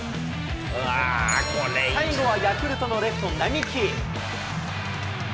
最後はヤクルトのレフト、並木。